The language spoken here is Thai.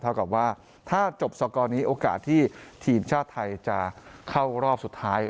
กับว่าถ้าจบสกอร์นี้โอกาสที่ทีมชาติไทยจะเข้ารอบสุดท้าย